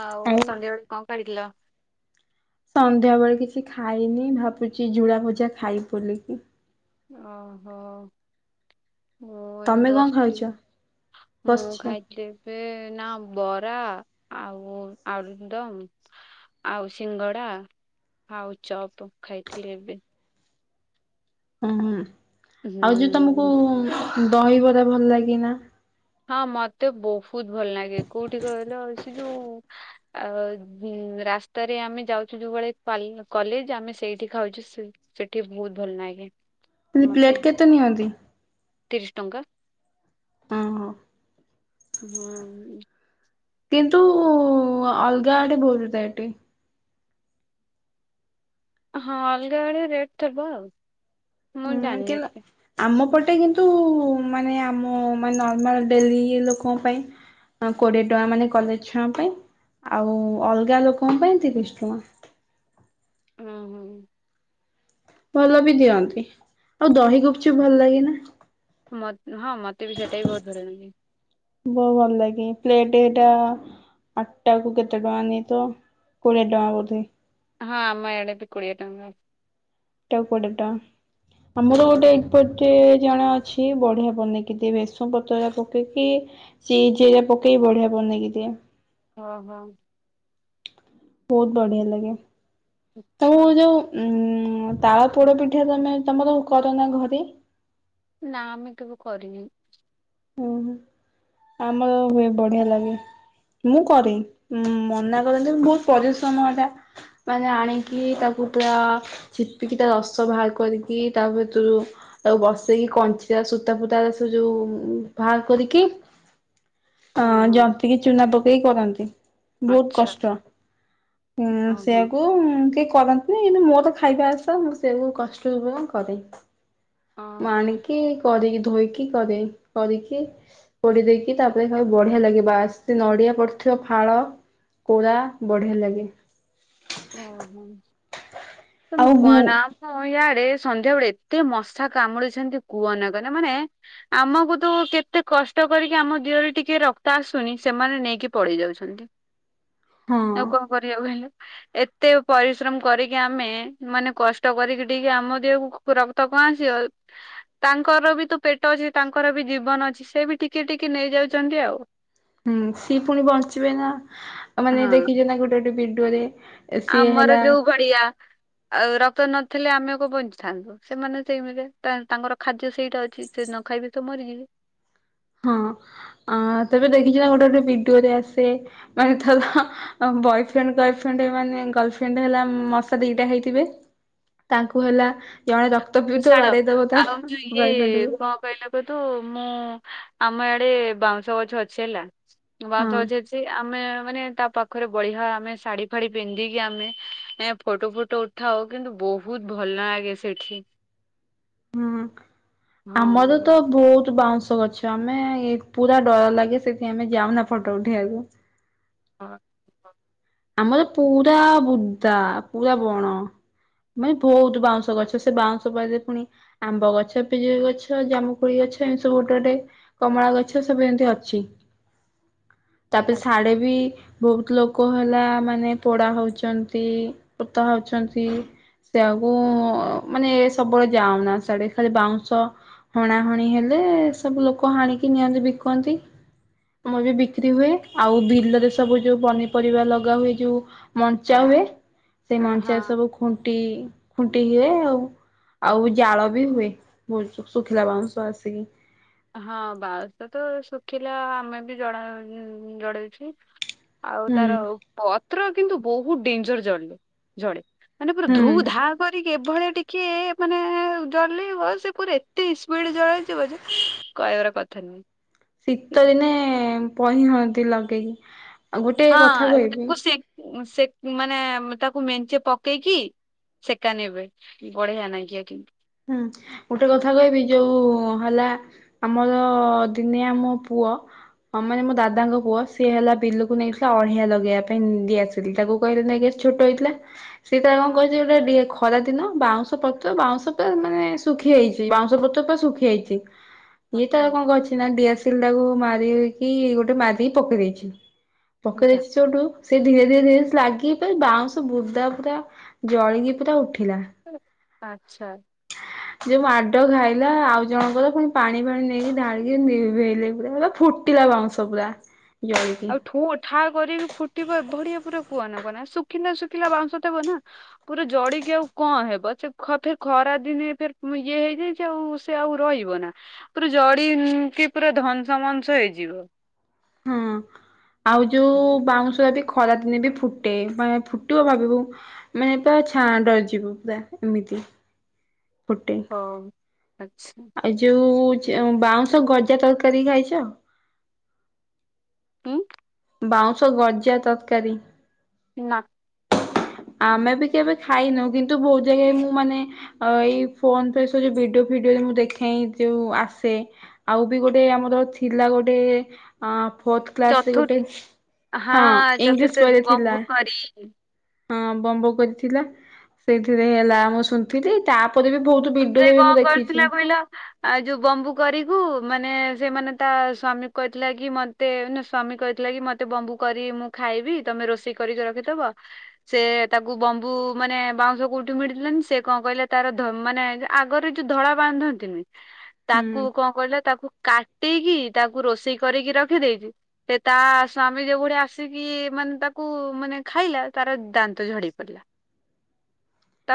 ଆଉ ସନ୍ଧ୍ୟାବେଳେ କଣ ପାଳିଥିଲ? ସନ୍ଧ୍ୟାବେଳେ କିଛି ଖାଇନି, ଭାବୁଛି ଝୁଳା ଭଜା ଖାଇବି ବୋଲିକି। ଓହୋ। ଓ ଏଇ ତମେ କଣ ଖାଉଛ? ବସିଥିଲି। ମୁଁ ବସିଛ ଖାଇ ଥିଲି ଏବେ, ନା ବରା ଆଉ ଆଳୁଦମ୍ ଆଉ ସିଙ୍ଗଡା, ଆଉ ଚପ ଖାଇଥିଲି ଏବେ। ଓ ହୁଁ। ଆଉ ଯୋଉ ତମକୁ ହୁଁ। ଦହିବରା ଭଲ ଲାଗେ ନା? ହଁ ମତେ ବହୁତ ଭଲ ଲାଗେ। କୋଉଠି କହିଲ ସେ ଯୋଉ ଆ ହୁଁ, ରାସ୍ତାରେ ଆମେ ଯାଉଛୁ ଯୋଉ ବଳେ ପାଲ୍ କଲେଜ୍ ଆମେ ସେଇଠି ଖାଉଛୁ ସି ସେଠି ବହୁତ ଭଲ ନାଗେ। ସିଟି ପ୍ଲେଟ୍ କେତେ ନିଅନ୍ତି? ତିରିଶ ଟଙ୍କା। ଓହୋ ହୁଁ। କିନ୍ତୁ [inaudible] ଉ ଅଲଗା ଆଡ଼େ ଭୁଲ୍ ଥାଏଟି। ହଁ ଅଲଗା ଆଡ଼େ ରେଟ୍ ଥିବ ଆଉ। ମୁଁ ହୁଁ ଜାଣିନି କିନ୍ତୁ ଏତେ। ଆମ ପଟେ କିନ୍ତୁ ମାନେ ଆମ ମାନେ ନର୍ମାଲ ଡେଲି ଇଏ ଲୋକଙ୍କ ପାଇଁ କୋଡିଏ ଟଙ୍କା ମାନେ କଲେଜ ଛୁଆଙ୍କ ପାଇଁ, ଆଉ ଅଲଗା ଲୋକଙ୍କ ପାଇଁ ତିରିଶ ଟଙ୍କା। ହଁ ହୁଁ। ଭଲ ବି ଦିଅନ୍ତି। ଆଉ ଦହି ଗୁପଚୁପ୍ ଭଲ ଲାଗେ ନା? ମତ୍ ହଁ ମତେ ବି ସେଟା ବି ବହୁତ ଭଲ ନାଗେ। ବହୁ ଭଲ ଲାଗେ। ପ୍ଲେଟ ଏଟା ଆଠଟାକୁ କେତେ ଟଙ୍କା ନେଇଥବ, ତ କୋଡିଏ ଟଙ୍କା ବୋଧେ? ହଁ, ଆମ ଇଆଡ଼େ ବି କୋଡ଼ିଏ ଟଙ୍କା। ଗୋଟାକୁ କୋଡ଼ିଏ ଟଙ୍କା। ଆମର ଗୋଟେ ଏପଟ ଟେ ଜଣେ ଅଛି ବଢିଆ ବନେଇକି ଦିଏ। ବେସୁନ ପତ୍ର ହେରିକା ପକେଇକି ଚିଜ୍ ହେରିଆ ପକେଇ ବଢିଆ ବନେଇକି ଦିଏ। ହଁ ହଁ। ବହୁତ ବଢିଆ ଲାଗେ। ତୁ ଆଚ୍ଛା ଯୋଉ ଉମ୍, ତାଳ ପୋଡ ପିଠା ତମେ ତମର କର ନା ଘରେ? ନା, ଆମେ କେବେ କରିନି। ଓହୋ [inaudible] ଆମର ହୁଏ, ବଢିଆ ଲାଗେ। ମୁଁ କରେ, ମ-ମନା କରନ୍ତି ବହୁତ ପରିଶ୍ରମ ଏଟା। ମାନେ ଆଣିକି ତାକୁ ପୁରା ଚିପିକି, ତା ରସ ବାହାର କରିକି ତା ଭିତୁରୁ ତାକୁ ବସେଇକି, କଞ୍ଚା ସୂତା ଫୁତାର ସେ ଯୋଉ ବାହାର କରିକି ହଁ ଅଁ ହଁ ଯନ୍ତିକି ଚୁନା ପକେଇ କରନ୍ତି, ବହୁତ ଆଚ୍ଛା କଷ୍ଟ। ହୁଁ ହଁ ହଁ ସେୟାକୁ ଉମ୍ କିଏ କରନ୍ତ ନାଇଁ ଏନ୍ତି ମୋର ତ ଖାଇବା ଆଶା ମୁଁ ସେୟାକୁ କଷ୍ଟ ହଉ ବରଂ କରେ। ମୁଁ ଓହୋ ଆଣିକି କରିକିି ଧୋଇକି କରେ। କରିକି, ପୋଡି ଦେଇକି ତାପରେ ଖାଉ ବଢିଆ ଲାଗେ, ବାସ୍ ଏତେ ନଡିଆ ପଡିଥିବ ଫାଳ କୋରା ବଢିଆ ଲାଗେ। ଓହୋ। ତମେ ଆଉ ଗୁ କୁଅନା ହଁ ୟାଡେ ସନ୍ଧ୍ୟା ବେଳେ ଏତେ ମଶା କାମୁଡିଛନ୍ତି କୁହ ନା କହିଲା ମାନେ ଆମକୁ ତୁ କେତେ କଷ୍ଟ କରିକି ଆମ ଦିହରେ ଟିକେ ରକ୍ତ ଆସୁନି ସେମାନେ ନେଇକି ପଳେଇ ଯାଉଛନ୍ତି। ହଁ ଆଉ କଣ କରିବାକୁ ହେଲେ ଏତେ ପରିଶ୍ରମ କରିକି ଆମେ ମାନେ କଷ୍ଟ କରିକି ଆମ ଦେହକୁ ରକ୍ତ ପହଞ୍ଚିବ ତାଙ୍କର ବି ତ ପେଟ ଅଛି, ତାଙ୍କର ବି ଜୀବନ ଅଛି, ସେ ବି ଟିକେ ଟିକେ ନେଇଯାଉଛନ୍ତି ଆଉ [inaudible] ସିଏ ପୁଣି ବଞ୍ଚିବେ ନା ମାନେ ହଁ ଦେଖିଛେ ନା ଗୋଟେ ଗୋଟେ ଭିଡିଓରେ ସିଏ ଆମର ହେଲା ଯୋଉ ଗଡିଆ ରକ୍ତ ନଥିଲେ ଆମକୁ ବଞ୍ଚିଥାନ୍ତୁ। ସେମାନେ ସେଇମିରେ ତାଙ୍କର ଖାଦ୍ୟ ସେଇଟା ଅଛି, ସେ ନ ଖାଇବି ତ ମରିଯିବେ। ହଁ ତେବେ ଦେଖିଛ ନା ଗୋଟେ ଗୋଟେ ଭିଡିଓରେ ଆସେ ମାନେ ତ ଥର ବୟ ଫ୍ରେଣ୍ଡ ଗଲଫ୍ରେଣ୍ଡ ମାନେ ଗର୍ଲଫ୍ରେଣ୍ଡ ହେଲା ମଶା ଦିଟା ହେଇଥିବେ ତାଙ୍କୁ ହେଲା ଜଣେ ହଉ ରକ୍ତପିଉଥିବ ଛାଡ ବାଡେଇ ଦବ ତା ବଏଫ୍ରେଣ୍ଡ କୁ କହିଲେ କହୁ ତୁ ମୁଁ ଆମ ଆଡେ ବାଉଁଶ ଗଛ ଅଛି ହେଲା। ବାଂଉସ ହଁ ଗଛ ଅଛି ଆମେ ମାନେ ତା ପାଖ ପାଖରେ ବଢ଼ିଆ ଆମେ ଶାଢୀ ଫାଢୀ ପିନ୍ଧିକି ଆମେ ଫୋଟ ଫୁଟୋ ଉଠାଉ, ବହୁତ ଭଲ ଆଗେ ସେଇଠି ହୁଁ। ଆମର ହଁ। ତ ବହୁତ ବାଉଁଶ ଗଛ ଆମେ ପୁରା ଡର ଲାଗେ ସେଠି ଆମେ ଯାଉନା ଫଟୋ ଉଠେଇବାକୁ ହଁ ଆମର ପୁରା ବୁଦା, ପୁରା ବଣ ମାନେ ବହୁତ ବାଉଁଶ ଗଛ ସେ ବାଉଁଶ ପାଦେ ପୁଣି ଆମ୍ବ ଗଛ, ପିଜୁଳି ଗଛ, ଜାମୁକୁଳି ଗଛ ଏମତି ସବୁ ଗୋଟେ ଗୋଟେ କମଳା ଗଛ ସବୁ ଏମତି ଅଛି [inaudible] ତାପରେ ସାଡେ ବି ବହୁତ ଲୋକ ଭଲା ମାନେ ପୋଡା ହଉଛନ୍ତି, ପୋତା ହଉଛନ୍ତି ସେ ଆକୁ ମାନେ ସବୁବେଳେ ଯାଉନା ସେଆଡେ ଖାଲି ବାଉଁଶ ହଣା ହଣି ହେଲେ ସବୁ ଲୋକ ହାଣିକି ନିଅନ୍ତି ବିକନ୍ତି ମୁଁ ବି ବିକ୍ରି ହୁଏ, ଆଉ ବିଲରେ ସବୁ ଯୋଉ ପନି ପରିବା ଲଗା ହୁଏ ଯୋଉ ମଞ୍ଚା ହୁଏ, ସେଇ ମଞ୍ଚା ହଁ ସବୁ ଖୁଣ୍ଟି ଖୁଣ୍ଟି ହୁଏ ଆଉ ଆଉ ଜାଳ ବି ହୁଏ ଶୁଖିଲା ବାଉଁଶ ଆସିକି ହଁ ବାଉଁଶ ତ ଶୁଖିଲା ଆମେ ବି ଜଡ଼ା ହୋଇ ଜଡେଇଚି। ଆଉ ହୁଁ ତାର ପତ୍ର କିନ୍ତୁ ବହୁ ଡେଞ୍ଜର୍ ଜଡ଼ି ଜଡ଼ି ମାନେ ପୁରା ଧୁ ହୁଁ। ଧା ପରିକି ଏଭଳିଆ ଟିକେ ମାନେ ଡଲେଇବ ସେ ପୁରା ଏତେ ଇସପଏଡ୍ ଜଳିଯିବଜେ କହିବାର କଥା ନୁହେଁ ଶୀତ ଦିନେ ପହିଁ ହୁଅନ୍ତି ଲଗେଇ ଆଉ ଗୋଟେ କଥା କହିବି। ମୁଁ ସେ ମାନେ ତାକୁ ମେଞ୍ଚେ ପକେଇକି ସେକା ନେବେ ବଢ଼ିଆ ନାଗିବ କି ହୁଁ ଗୋଟେ କଥା କହିବି ଯୋଉ ହେଲା। ଆମର ଦିନେ ଆମ ପୁଅ ହଁ ମାନେ ମୋ ଦାଦାଙ୍କ ପୁଅ ସିଏ ହେଲା ବିଲକୁ ନେଇଥିଲା ଅଳିହା ଲଗେଇବାପାଇଁ ଡିଆସ ରିତାକୁ କହିଲେ ନେଇକି ଆ ଛୋଟ ହେଇଥିଲା। ସେ ତା କଣ କହିଛି ଗୋଟେ ଡିଏ ଖରାଦିନ ବାଉଁଶ ପତ୍ର ବାଉଁଶ ମାନେ ଶୁଖିଯାଇଛି ବାଉଁଶ ପତ୍ର ପୁରା ଶୁଖିଯାଇଛି। ଇଏ ତାର ଆଚ୍ଛା କଣ କରିଛ ନା ଡିଆ ତିଲ୍ ଟାକୁ ମାରିକି ଗୋଟେ ମାରଦି ପକେଇଦେଇଛି। ଯା। ପକେଇଦେଇଛି ଯୋଉଠୁ ସେ ଧୀରେ ଧୀରେ ଧୀରେ ଲାଗିକି ବାଉଁଶ ବୁଦା ପୁରା ଜଳିକି ପୁରା ଉଠିଲା। ଆଚ୍ଛା ଯୋଉ ମାଡ଼ ଖାଇଲା ଆଉଜଣଙ୍କର ଫୁଣି ପାଣି ଫାଣି ନେଇକି ଢାଳିକି ନିଭେଇଲେ ପୁରା ଏରା ଫୁଟ୍ ଟିଲା ବାଉଁଶ ପୁଳା ଜଳିକି। ଠୋ ଠା କରିକି ଫୁଟିବ ଏଭଳିଆ ପୁରା କୁହନା କୁହନା ଶୁଖିଲା ଶୁଖିଲା ବାଉଁଶ ତେବନା ପୁରା ଜଡିକି ଆଉ କଣ ହେବ ସେ ଖ ଫେର୍ ଖରାଦିନେ ଫେର୍ ଇଏ ହେଇଯାଇଛି ସେ ଆଉ ସେ ଆଉ ରହିବା ନା ପୁରା ଜଡ଼ି କିଂ ପୁରା ଧନସ ମନସ ହେଇଯିବ। ହଁ। ଆଉ ଯୋଉ ବାଉଁଶ ବି ଖରା ଦିନେ ବି ଫୁଟେ ମାନେ ଫୁଟିବ ଭାବିବୁ ମାନେ ପୁଆ ଛାଆଁ ଡରିଯିବୁ ପୁରା ଏମିତି। ହଁ ଆଚ୍ଛା। ଏ ଯୋଉ ଚେ ବାଉଁଶ ଗଜା ତରକାରୀ ଖାଇଚ। ହୁଁ। ବାଉଁଶ ଗଜା ତରକାରୀ। ନା। ଆମେ ବି କେବେ ଖାଇନୁ କିନ୍ତୁ ବହୁତ ଜାଗାକୁ ମୁ ମାନେ ଆ ଏଇ ଫୋନ୍ ତ ସବୁ ଭିଡ଼ିଓ ଫିଡ଼ିଓ ବି ମୁଁ ଦେଖେଁ ଏଇ ଯୋଉ ଆସେ। ଆଉ ବି ଗୋଟେ ଆମର ଥିଲା ଗୋଟେ ହଁ ଫୋଥ୍ କ୍ଲାସ୍ ରେ ଚତୁର୍ ଗୋଟେ ହଁ ଇଂଲିଶ ବହିରେ ଥିଲା। [unintelligible] ହଁ ବମ୍ବ କରିଥିଲା ସେଇଥିରେ ହେଲା ମୁଁ ଶୁ ଥିଲି ତାପରେ ବି ବହୁତ୍ ଭିଡ଼ ହୁଏ ମୁଁ ଦେଖିଚି। ପିଲ ଆଉ ଯୋଉ ବମ୍ବୁ କରିକୁ ମାନେ ସେମାନେ ତା ସ୍ଵାମୀକୁ କହିଥିଲା କି ମତେ ସ୍ଵାମୀ କହିଥିଲା କି ମ ତେ ବମ୍ବୁ କରି ମୁଁ ଖାଇବି ତମେ ରୋଷେଇ କରି ଯ ରଖିଦବ। ସେ ତାକୁ ବମ୍ବୁ ମାନେ ବାଉଁଶ କୋଉଠି ମିଡ଼ିଲାନ ସେ କଣ କହିଲେ ତାର ଧ ମାନେ ଆଗରେ ଯୋଉ ଧଳା ବାନ୍ଧନ୍ତିନି ହୁଁ ତାକୁ କଣ କହିଲା ତାକୁ କାଟିକି ତାକୁ ରୋଷେଇ କରିକି ରଖିଦେଇଛି। ସେ ତା ସ୍ଵାମୀ ଯୋଉଭଳିଆ ଆସିକି ମାନେ ତାକୁ ମାନେ ଖାଇଲା ତାର ଦାନ୍ତ ଝଡ଼ି ପଡ଼ି। [unintelligible]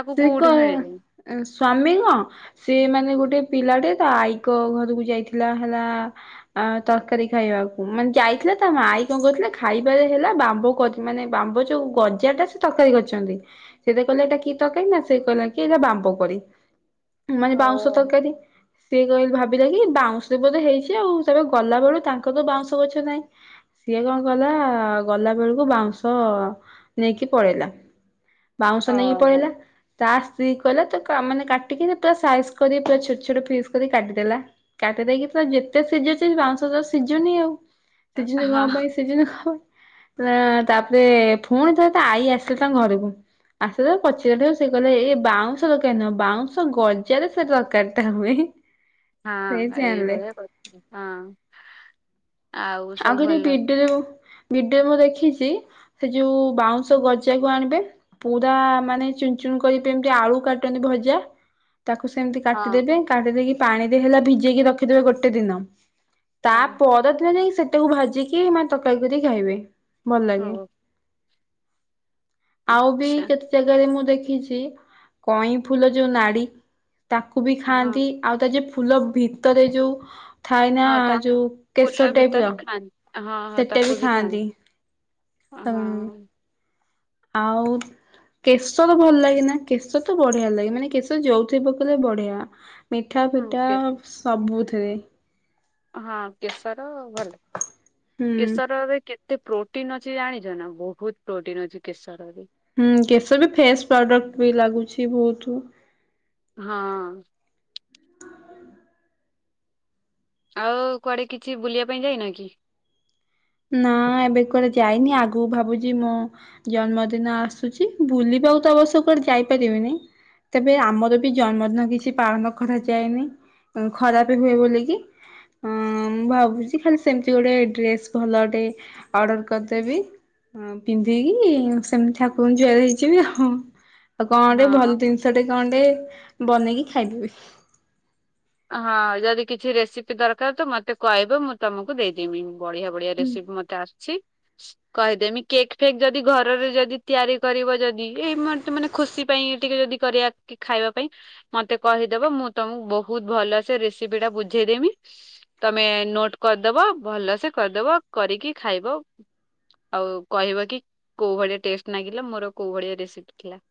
[unintelligible] ସେ ମାନେ ଗୋଟେ ପିଲାଟେ ତା ଆଈକ ଘରକୁ ଯାଇଥିଲା ହେଲା ଆ ତରକାରୀ ଖାଇବାକୁ ମାନେ ଯାଇଥିଲେ ତା ମାଇ କଣ କହୁଥିଲେ ଖାଇବାରେ ହେଲା ବାମ୍ୱ କରି ମାନେ ବାମ୍ବୁଚୁ ଗଜାଟେ ସେ ତରକାରି କରିଛନ୍ତି। ସେ ଦେଖିଲେ ଏଟା କି ତରକାରୀ ନା ସେ କହିଲା କି ଏଗା ବାମ୍ବ କରି ମାନେ ବାଉଁଶ ଓହୋ ତରକାରୀ। ସିଏ କହି ଭାବିଲେ କି ବାଉଁଶ ପରି ହେଇଚି ଆଉ ସେଣୁ ଗଲାବେଳୁ ତାଙ୍କର ତ ବାଉଁଶ ଗଛ ନାହିଁ। ସିଏ କଣ କଲା ଗଲା ବେଳକୁ ବାଉଁଶ ନେଇକି ପଳେଇଲା ବାଉଁଶ ନେଇକି ଓହୋ। ପଳେଇଲା ତା ସ୍ତ୍ରୀ କହିଲା ତ ମାନେ କାଟିକି ପୁରା ସାଇଜ କରି ପୁରା ଛୋଟ ଛୋଟ ପିସ୍ କରି କାଟିଦେଲା। କାଟି ଦେଇକି ତ ଯେତେ ସିଝୁଛି ବାଉଁଶ ତ ସିଝୁନି ଆଉ ସିଝୁନି କଣ ହଁ। ପାଇଁ। [unintelligible] ତାପରେ ପୁଣି ଥରେ ତା ଆଈ ଆସିଲେ ତାଙ୍କ ଘରକୁ ଆସିଲେ ପ ସେଟ ସେ କହେ ଏ ବାଉଁଶ ଦରକାର ନହିଁ ବାଉଁଶ ଗଜାରେ ସେ ତରକାରୀ ଟା ହୁଏ। ସେଇ ହଁ ଏଇ ଜାଣିଲେ। ଭଳିଆ କଥା ହଁ। ଆଉ ସବୁ କେତେ ଭଲ। ଭିଡିଓ ଭଡିଓ ମୁଁ ଦେଖିଛି ସେ ଯୋଉ ବାଉଁଶ ଗଜାକୁ ଆଣିବେ ପୁରା ମାନେ ଚୁନ ଚୁନ କରି ଯେମିତି ଆଳୁ କାଟନ୍ତି ଭଜା ତାକୁ ସେମିତି ହଁ କାଟିଦେବେ କାଟି ଦେଇକି ପାଣି ଦେଇ ହେଲା ଭିଜେଇକି ରଖିଦେବେ ଗୋଟେ ଦିନ ତା ହଁ ପରଦିନଯାଇକି ସେଟାକୁ ଭାଜିକି ମାନେ ତରକାରୀ କରିକି ଖାଇବେ। ଭଲ ଲାଗେ। ଓ ଆଉ ବି ଆଚ୍ଛା କେତେ ଜାଗାରେ ମୁଁ ଦେଖିଛି କଇଁ ଫୁଲ ଯୋଉ ନାଡି ତାକୁ ବି ହଁ ଖାଆନ୍ତି ଆଉ ତା ଯୋଉ ଫୁଲ ଭିତରେ ଯୋଉ ଥାଇ ନା ହଁ ଯୋଉ ତାକୁଲା କେଶ ବି ଟାଇପ ତା ର ଖାଆନ୍ତି ହଁ ହଁ ସେଟା ତାକୁ ବି ଖାଆନ୍ତି। ଥାନ୍ତି ହଁ। ଆଉ କେଶର ଭଲ ଲାଗେ ନା କେଶର ତ ବଢିଆ ଲାଗେ ମାନେ କେଶର ଯୋଉଥିରେ ପକେଇଲେ ବଢିଆ। ମିଠା ହୁଁ ଫିଠା କେ- ସବୁଥିରେ। ହଁ କେଶର ଭଲ ହୁଁ। କେଶରରେ କେ ତେ ପ୍ରୋଟିନ ଅଛି ଜାଣିଚ ନା ବହୁତ ପ୍ରୋଟିନ ଅଛି କେଶରରେ। ହୁଁ କେଶର ବି ଫେସ୍ ପ୍ରଡକ୍ଟ ବି ଲାଗୁଛି ବହୁତୁ। ହଁ। ଆଉ କୁଆଡେ କିଛି ବୁଲିବା ପାଇଁ ଯାଇନ କି। ନା ଏବେ କୁଆଡେ ଯାଇନି ଆଗକୁ ଭାବୁଛି ମୁଁ ଜନ୍ମଦିନ ଆସୁଚି ଭୁଲିବାକୁ ତ ଅବଶ୍ୟ କୁଆଡେ ଯାଇପାରିବିନି ତେବେ ଆମର ବି ଜନ୍ମଦିନ କିଛି ପାଳନ କରାଯାଏନି ଖରାପ ହୁଏ ବୋଲିକି ଅ ମୁଁ ଭାବୁଛି ଖାଲି ସେମିତି ଗୋଟେ ଡ୍ରେସ୍ ଭଲଟେ ଅର୍ଡର କରିଦେବି। ହଁ ପିନ୍ଧିକି ସେମ୍ତି ଠାକୁରଙ୍କୁ ଜୁହାର ହେଇଯିବି ଆଉ। ଆଉ କଣ ଟେ ହଁ ଭଲ ଜିନିଷ ଟେ କଣ୍ଟେ ବନେଇକି ଖାଇଦେବି। ହଁ ଯଦି କିଛି ରେସିପି ଦର୍କାର୍ ତ ମୋତେ କହିବ ମୁଁ ତମକୁ ଦେଇଦେମି ବଢିଆ ବଢିଆ ରେସିପି ମତେ ଆସ୍ଛି। କହିଦେମି କେକ୍ ଫେକ୍ ଯଦି ଘରରେ ଯଦି ତିଆରି କରିବ ଯଦି ଏଇ ମାନେ ଖୁସି ପାଇଁ ଟିକେ ଯଦି କରିବା ଖାଇବା ପାଇଁ ମତେ କହିଦେବ ମୁଁ ତମକୁ ବୋହୁ ବହୁତ୍ ଭଲ ସେ ରେସିପି ଟା ବୁଝେଇଦେମି ତମେ ନୋଟ୍ କରିଦବ ଭଲସେ କରିଦବ କରିକି ଖାଇବ ଆଉ କହିବ କି କୋଉ ଭଳିଆ ଟେଷ୍ଟ ଲାଗିଲା ମୋର କୋଉ ଭଳିଆ ରେସିପି ଥିଲା।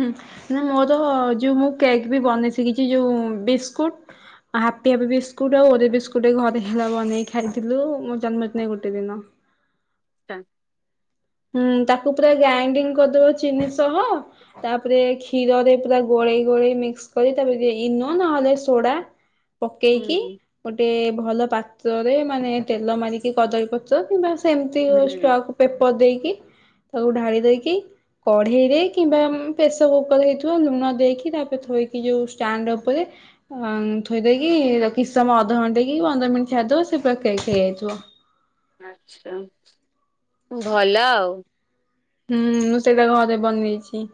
ହୁଁ ନା ମୋର ଯୋଉ ମୁଁ କେକ୍ ବି ବନେଇ ଶିଖିଛି ଯୋଉ ବିସ୍କୁଟ୍ ହାପି ହାପି ବିସ୍କୁଟ୍ ଆଉ ଓରିଓ ବିସ୍କୁଟ୍ ଘରେ ହେଲା ବନେଇ ଖାଇଥିଲୁ ମୋ ଜନ୍ମଦିନ ଗୋଟେ ଦିନ। [unintelligible] ହୁଁ ତାକୁ ପୁରା ଗ୍ରାଇଣ୍ଡିଙ୍ଗ କରିଦବ ଚିନି ସହ ତାପରେ କ୍ଷୀରରେ ପୁରା ଗୋଳେଇ ଗୋଳେଇ ମିକ୍ସ କରି ତାପରେ ଇନୋ ନହେଲେ ସୋଡା ଁ [inaudible] ପକେଇକି ଗୋଟେ ଭଲ ପାତ୍ରରେ ମାନେ ତେଲ ମାରିକି କଦଳୀ ପ ପାତ୍ର କିମ୍ବା ସେମ୍ତି ହୁଁ ଷ୍ଟକ୍ ପେପର୍ ଦେଇକି ତାକୁ ଢାଳି ଦେଇକି କଢେଇ ରେ କିମ୍ବା ପ୍ରେସ କୁକଲ୍ ହେଇଥିବ ଲୁଣ ଦେଇକି ତାପରେ ଥୋଇକି ଯୋଉ ଷ୍ଟାଣ୍ଡ ଉପରେ ଥୋଇଦେଇକି କି କିଛି ସମୟ ଅଧଘଣ୍ଟା କି ପନ୍ଦର ମିନିଟ୍ ଛାଡ଼ିଦେବ ସେ ପୁରା କେକ୍ ହେଇଯାଇଥିବ। ଆଚ୍ଛା ଭଲ ଆଉ। ହୁଁ ମୁଁ ସେଇଟା ଘରେ ବନେଇଚି।